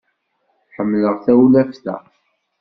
Ḥemmleɣ tawlaft-a.